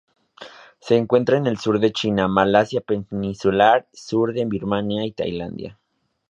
Se encuentra en el sur de China, Malasia peninsular, sur de Birmania y Tailandia.